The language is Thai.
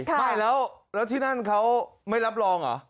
ไม่แล้วที่นั่นเขาไม่รับรองเหรอ